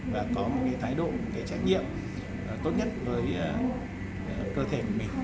và có một cái thái độ cái trách nhiệm tốt nhất với cơ thể của mình